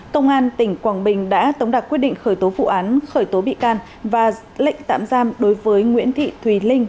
công an tỉnh quảng bình đã tống đạt quyết định khởi tố vụ án khởi tố bị can và lệnh tạm giam đối với nguyễn thị thùy linh